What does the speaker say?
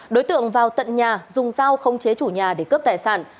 đối tượng vào tận nhà dùng dao không chế chủ nhà để cướp tài sản